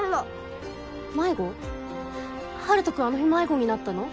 陽斗君あの日迷子なったの？